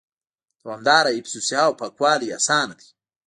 دوامدار حفظ الصحه او پاکوالي آسانه دي